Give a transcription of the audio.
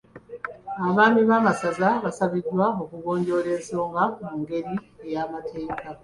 Abaami b'amasaza baasabiddwa okugonjoola ensonga mu ngeri y’amateeka.